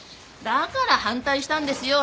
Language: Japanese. だから反対したんですよ